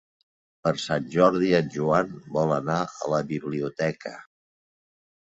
Per Sant Jordi en Joan vol anar a la biblioteca.